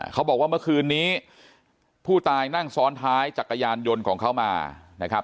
เขาบอกว่าเมื่อคืนนี้ผู้ตายนั่งซ้อนท้ายจักรยานยนต์ของเขามานะครับ